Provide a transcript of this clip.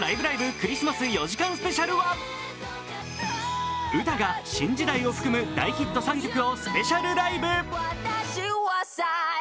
クリスマス４時間スペシャル」はウタが「新時代」を含む大ヒット３曲をスペシャルライブ。